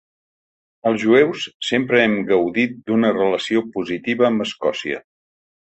Els jueus sempre hem gaudit d’una relació positiva amb Escòcia.